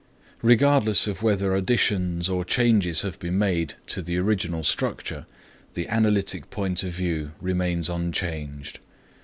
Regardless of whatever additions or changes have been made to the original structure, the analytic point of view remains unchanged.